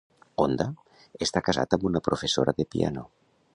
Honda està casat amb una professora de piano.